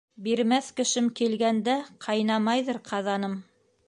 Бирмәҫ кешем килгәндә, ҡайнамайҙыр ҡаҙаным.